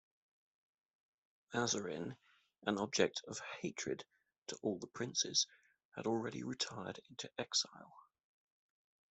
Mazarin, an object of hatred to all the princes, had already retired into exile.